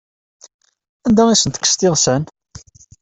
Anda ay asen-tekkseḍ iɣsan?